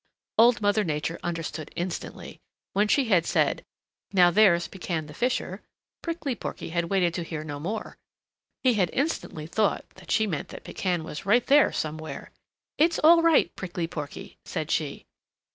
Old Mother Nature understood instantly. When she had said, "Now there's Pekan the Fisher," Prickly Porky had waited to hear no more. He had instantly thought that she meant that Pekan was right there somewhere. "It's all right, Prickly Porky," said she.